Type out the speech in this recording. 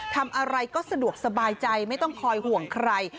ทำอะไรก็สะดวกสบายใจไม่ต้องคอยห่วงใคร